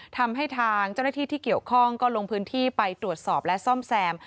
ทำให้ทางเจ้าหน้าที่ที่เกี่ยวข้องก็ลงพื้นที่ไปตรวจสอบและซ่อมแซม